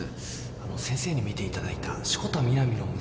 あの先生に診ていただいた志子田南の息子で